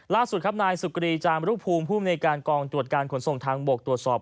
ล่าสุดครับนายสุกรีจามรุภูมิภูมิในการกองตรวจการขนส่งทางบกตรวจสอบ